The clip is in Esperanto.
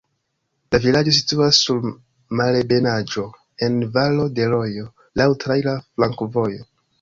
La vilaĝo situas sur malebenaĵo, en valo de rojo, laŭ traira flankovojo.